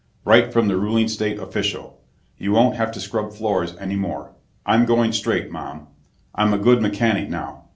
"Right from the ruling state official. You won't have to scrub floors anymore! I'm going straight, Mom. I'm a good mechanic now.